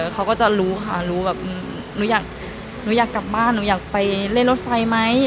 เขาก็จะรู้ค่ะรู้แบบหนูอยากหนูอยากกลับบ้านหนูอยากไปเล่นรถไฟไหม